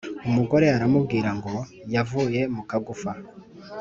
Umugore aramubwira ngo yavuye mu kagufa.